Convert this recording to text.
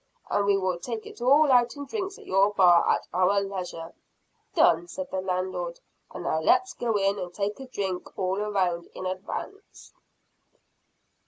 And we will take it all out in drinks at your bar, at our leisure." "Done!" said the landlord. "And now let us go in, and take a drink all around in advance."